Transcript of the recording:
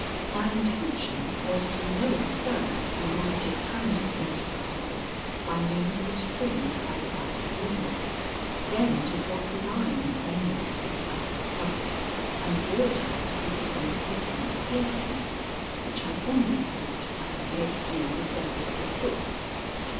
My intention was to lower first a lighted candle into the hole by means of a string tied about its middle, then to drop a line on the whistle thus discovered and draw it up with the point of a bent hairpin, which I fondly hoped I could make do the service of a hook.